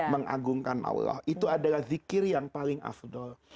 mengagungkan allah itu adalah zikir yang paling afdol